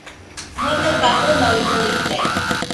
¡Mɨnɨka fɨnoisɨite!